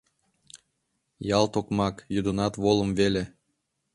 Ялт окмак, йодынат волым веле!